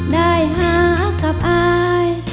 ได้หากับอาย